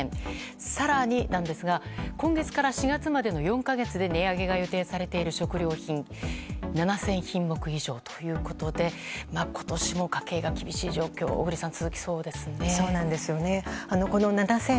更に今月から４月までの４か月で値上げが予定されている食料品７０００品目以上ということで今年も家計が厳しい状況が続きそうですね、小栗さん。